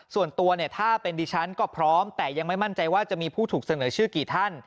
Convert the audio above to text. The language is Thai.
ส่วนตัวเนี่ยถ้าเป็นดิฉันก็พร้อมแต่ยังไม่มั่นใจว่าจะมีผู้ถูกเสนอชื่อกี่ท่าน